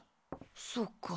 そっか。